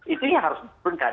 itu yang harus diperlukan